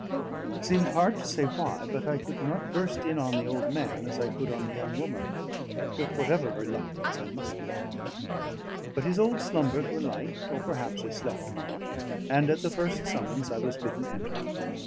It seems hard to say why, but I could not burst in on the old man as I could on the young woman; with whatever reluctance, I must knock. But his old slumbers were light, or perhaps he slept not; and at the first summons I was bidden enter.